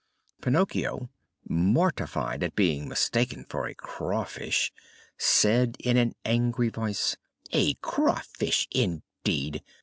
Pinocchio, mortified at being mistaken for a craw fish, said in an angry voice: "A craw fish indeed!